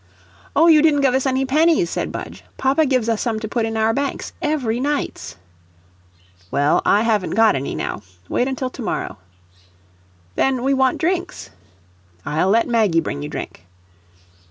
"Oh, you didn't give us any pennies," said Budge. "Papa gives us some to put in our banks, every nights." "Well, I haven't got any now wait until to morrow." "Then we want drinks." "I'll let Maggie bring you drink."